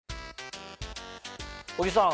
小木さん